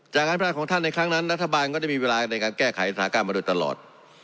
การพัฒนาของท่านในครั้งนั้นรัฐบาลก็ได้มีเวลาในการแก้ไขสถานการณ์มาโดยตลอด